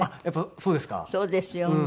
そうですようん。